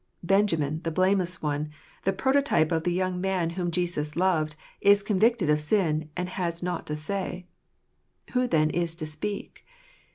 Benjamin, the blameless one, the proto type of the young man whom Jesus loved, is convicted of sin, and has nought to say. Who then is to speak